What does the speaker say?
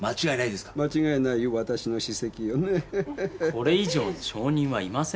これ以上の証人はいません。